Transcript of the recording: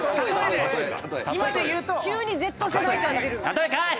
例えかい！